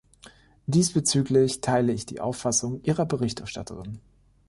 Diesbezüglich teile ich die Auffassung Ihrer Berichterstatterin.